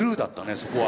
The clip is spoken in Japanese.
そこは。